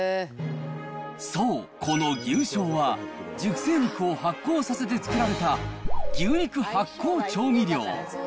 そう、この牛醤は、熟成肉を発酵させて作られた、牛肉発酵調味料。